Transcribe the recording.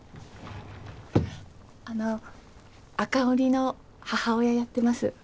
あの赤鬼の母親やってます